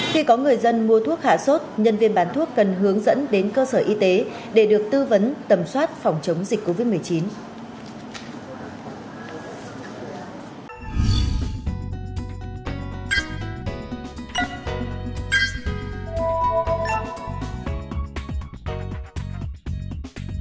khi có người dân mua thuốc hạ sốt nhân viên bán thuốc cần hướng dẫn đến cơ sở y tế để được tư vấn tầm soát phòng chống dịch covid một mươi chín